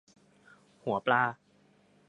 หัวปลา